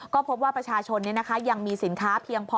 ก็พบว่าประชาชนยังมีสินค้าเพียงพอ